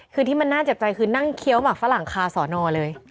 คือที่มันน่าเจ็บใจคือนั่งเคี้ยวหมักฝรั่งคาสอนอเลย